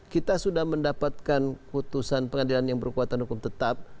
kita sudah mendapatkan putusan pengadilan yang berkuatan hukum tetap